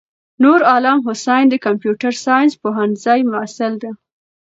نورعالم حسیني دکمپیوټر ساینس پوهنځی محصل ده.